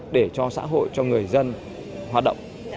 để cho xã hội cho người dân hoạt động